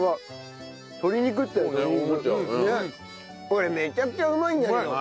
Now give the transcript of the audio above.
これめちゃくちゃうまいんだけど。